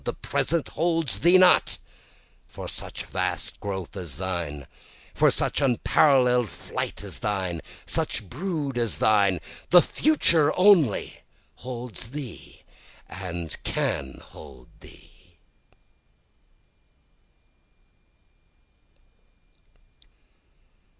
The Present holds thee not for such vast growth as thine, For such unparallel'd flight as thine, such brood as thine, The FUTURE only holds thee and can hold thee.